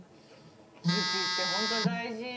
愚痴ってホント大事。